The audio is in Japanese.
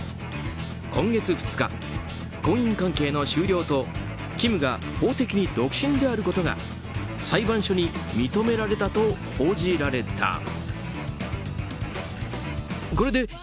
今月２日、婚姻関係の終了とキムが法的に独身であることが裁判所に認められたと報じられた。